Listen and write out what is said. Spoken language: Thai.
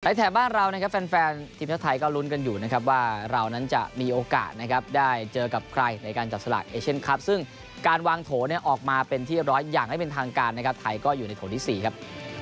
แถบบ้านเรานะครับแฟนทีมชาติไทยก็ลุ้นกันอยู่นะครับว่าเรานั้นจะมีโอกาสนะครับได้เจอกับใครในการจับสลากเอเชียนคลับซึ่งการวางโถเนี่ยออกมาเป็นที่เรียบร้อยอย่างไม่เป็นทางการนะครับไทยก็อยู่ในโถที่๔ครับ